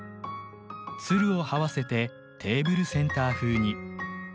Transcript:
ツルを這わせてテーブルセンター風に。